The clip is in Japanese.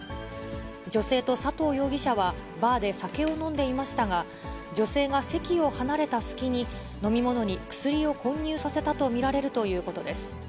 女性と佐藤容疑者は、バーで酒を飲んでいましたが、女性が席を離れた隙に、飲み物に薬を混入させたと見られるということです。